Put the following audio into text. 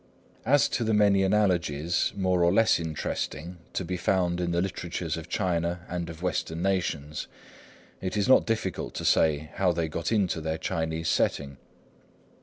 As to many of the analogies, more or less interesting, to be found in the literatures of China and of Western nations, it is not difficult to say how they got into their Chinese setting.